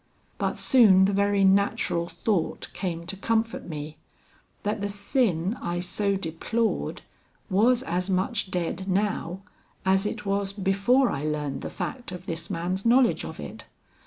But soon the very natural thought came to comfort me, that the sin I so deplored was as much dead now, as it was before I learned the fact of this man's knowledge of it.